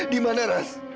di mana haris